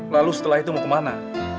lalu setelah itu mau ke mana